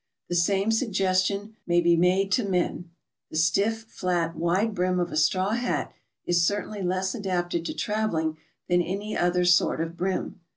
The same suggestion may be made to men; the stiff, flat, wide brim of a straw hat is certainly less adapted to traveling than any other sort of brim.